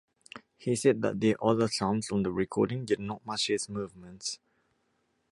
He said that the other sounds on the recording did not match his movements.